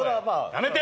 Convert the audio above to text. やめて！